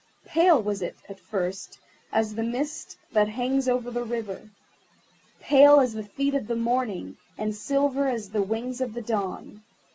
Pale was it, at first, as the mist that hangs over the river—pale as the feet of the morning, and silver as the wings of the dawn.